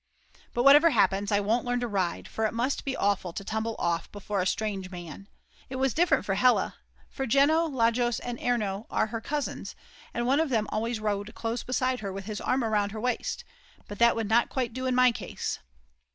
But whatever happens I won't learn to ride, for it must be awful to tumble off before a strange man. It was different for Hella, for Jeno, Lajos, and Erno are her cousins, and one of them always rode close beside her with his arm round her waist: but that would not quite do in my case.